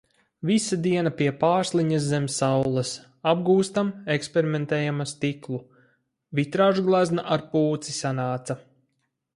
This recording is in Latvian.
Visa diena pie Pārsliņas zem saules. Apgūstam, eksperimentējam ar stiklu. Vitrāžglezna ar pūci sanāca.